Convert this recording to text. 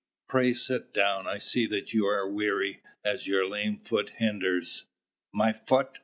"Pray sit down. I see that you are weary, as your lame foot hinders " "My foot!"